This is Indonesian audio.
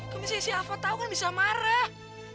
kamisnya si alva tau kan bisa marah